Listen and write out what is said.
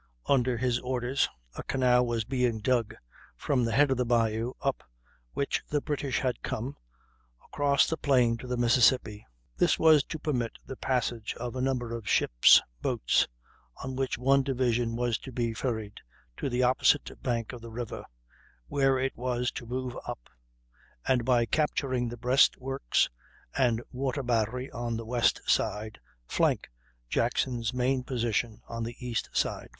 Under his orders a canal was being dug from the head of the bayou up which the British had come, across the plain to the Mississippi. This was to permit the passage of a number of ships' boats, on which one division was to be ferried to the opposite bank of the river, where it was to move up, and, by capturing the breastworks and water battery on the west side, flank Jackson's main position on the east side.